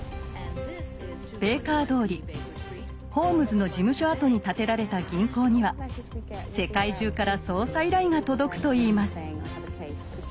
ベイカー通りホームズの事務所跡に建てられた銀行には世界中から捜査依頼が届くといいます。